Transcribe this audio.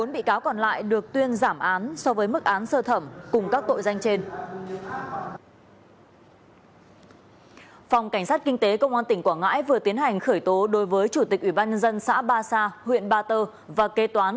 một mươi bốn bị cáo còn lại được tuyên giảm án so với mức án sơ thẩm cùng các tội danh trên